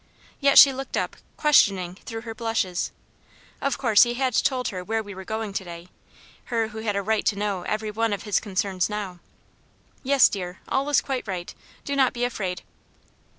Yet she looked up, questioning, through her blushes. Of course he had told her where we were going to day; her who had a right to know every one of his concerns now. "Yes, dear, all is quite right. Do not be afraid."